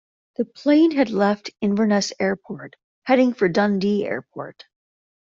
The 'plane had left Inverness airport heading for Dundee airport.